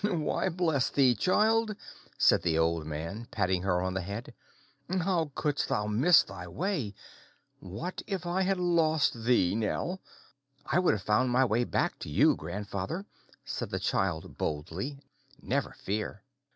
"Why, bless thee, child," said the old man, patting her on the head, "how couldst thou miss thy way? What if I had lost thee, Nell!" "I would have found my way back to you, grandfather," said the child boldly. "Never fear."